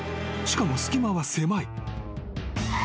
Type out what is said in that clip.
しかも隙間は狭い］